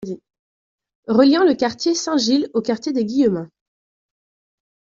Reliant le quartier Saint-Gilles au quartier des Guillemins.